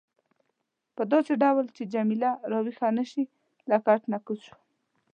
په داسې ډول چې جميله راویښه نه شي له کټ نه کوز شوم.